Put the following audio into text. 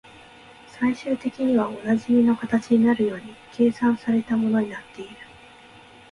最終的にはおなじみの形になるように計算された物になっている